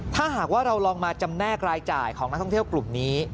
ถ้าหากว่าเราลองมาจำแนกรายจ่ายของนักท่องเที่ยวกลุ่มนี้